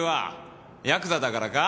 ヤクザだからか？